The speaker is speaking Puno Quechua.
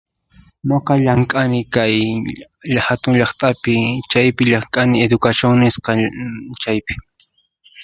Nuqa llank'ani kay lla hatun llaqtaypi chaypi llank'ani educación nisqa chaypi.